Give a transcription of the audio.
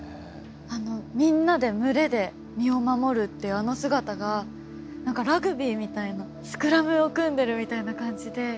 あのみんなで群れで身を守るってあの姿が何かラグビーみたいなスクラムを組んでるみたいな感じで。